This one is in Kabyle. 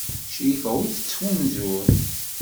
Crifa ur tettfunzur.